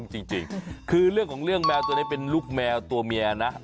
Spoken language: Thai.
เห็นไงเป็นไง